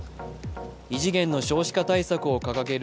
異次元の少子化対策を掲げる